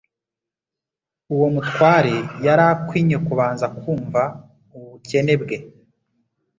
uwo mutware yari akwinye kubanza kumva ubukene bwe.